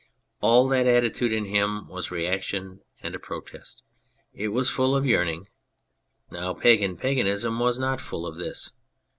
All that attitude in him was reaction and a protest. It was full of yearning : now pagan paganism was not full of this.